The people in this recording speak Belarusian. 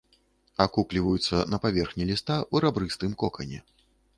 Акукліваюцца на паверхні ліста ў рабрыстым кокане.